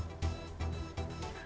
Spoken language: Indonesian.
ya memang itu